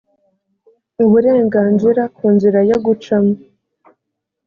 uburenganzira ku nzira yo gucamo